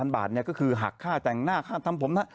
๘๘๐๐๐บาทเนี่ยก็คือหักค่าจังหน้าค่าทำผมนะ